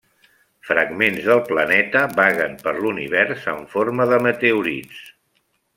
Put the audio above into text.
Fragments del planeta vaguen per l'univers en forma de meteorits.